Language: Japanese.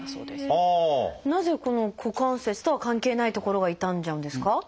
なぜこの股関節とは関係ない所が痛んじゃうんですか？